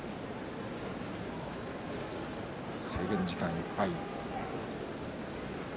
制限時間いっぱい。